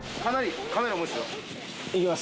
いきます。